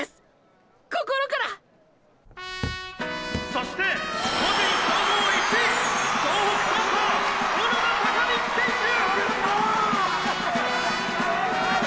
「そして個人総合１位総北高校小野田坂道選手！！」